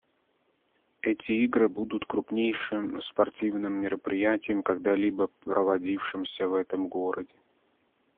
Эти игры будут крупнейшим спортивным мероприятием, когда-либо проводившимся в этом городе.